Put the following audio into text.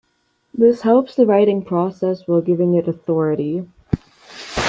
This helps the writing process while giving it authority.